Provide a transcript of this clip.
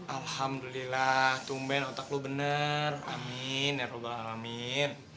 alhamdulillah tumben otak lo bener amin ya rabbul alamin